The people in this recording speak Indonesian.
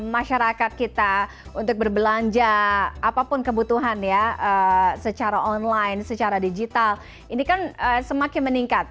oke mbak arsyi behavior masyarakat kita untuk berbelanja apapun kebutuhan ya secara online secara digital ini kan semakin meningkat